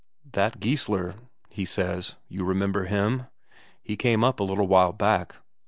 "That Geissler," he says, "you remember him? He came up a little while back."